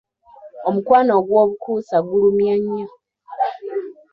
Omukwano ogw'obukuusa gulumya nnyo.